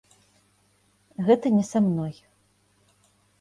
Гэта не са мной.